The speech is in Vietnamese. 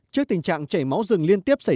trước tình trạng chảy máu rừng liên tiếp xảy ra